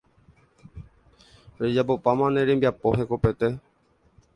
rejapopáma ne rembiapo hekopete